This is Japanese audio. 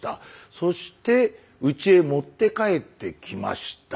そしてうちへ持って帰ってきました。